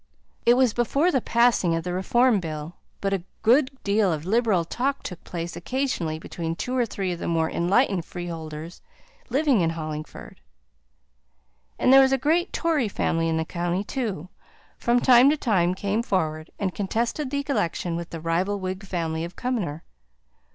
It was before the passing of the Reform Bill, but a good deal of liberal talk took place occasionally between two or three of the more enlightened freeholders living in Hollingford; and there was a great Tory family in the county who, from time to time, came forward and contested the election with the rival Whig family of Cumnor.